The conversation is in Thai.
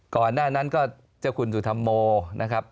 ก่อนหน้านั้นก็เจ้าคุณสุธรรมโมนะครับ